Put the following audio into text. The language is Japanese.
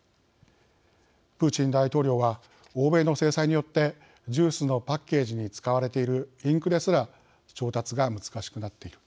プーチン大統領は欧米の制裁によってジュースのパッケージに使われているインクですら調達が難しくなっている